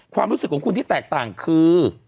ความรู้สึกของคุณที่แตกต่างคือ